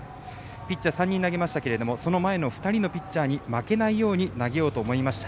ピッチャー３人投げましたけどその前の２人のピッチャーに負けないように投げようと思いました。